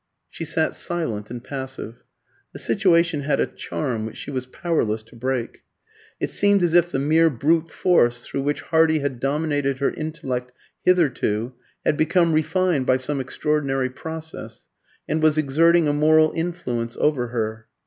She sat silent and passive. The situation had a charm which she was powerless to break. It seemed as if the mere brute force through which Hardy had dominated her intellect hitherto, had become refined by some extraordinary process, and was exerting a moral influence over her.